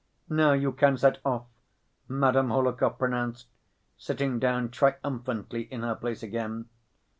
"Now you can set off," Madame Hohlakov pronounced, sitting down triumphantly in her place again.